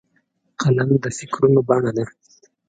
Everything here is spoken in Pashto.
قلم د فکرونو بڼه ده